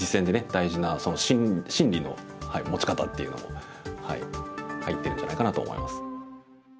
大事な心理の持ち方っていうのも入ってるんじゃないかなと思います。